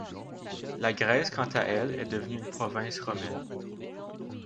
La Grèce quant à elle est devenue une province romaine.